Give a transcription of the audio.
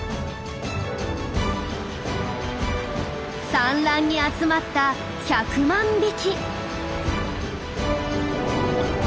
産卵に集まった１００万匹。